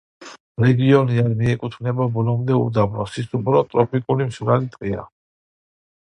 რეგიონი არ მიეკუთვნება ბოლომდე უდაბნოს, ის უფრო ტროპიკული მშრალი ტყეა.